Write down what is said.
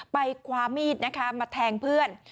ไปความไม่อิดนะคะมาแทงเพื่อน